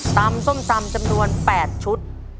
ตำส้มจำนวน๘ชุด